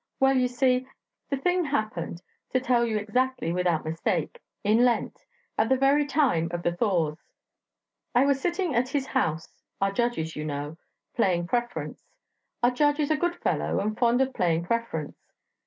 "Well, you see, the thing happened, to tell you exactly without mistake, in Lent, at the very time of the thaws. I was sitting at his house our judge's, you know playing preference. Our judge is a good fellow, and fond of playing preference.